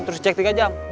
terus cek tiga jam